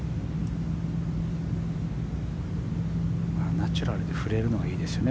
ナチュラルで振れるのはいいですよね。